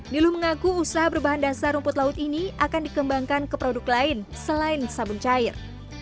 niluh mengaku usaha berbahan dasar rumput laut ini akan dikembangkan ke produk lain selain sabun cair